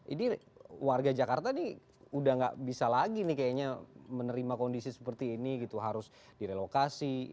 ini warga jakarta ini udah gak bisa lagi nih kayaknya menerima kondisi seperti ini gitu harus direlokasi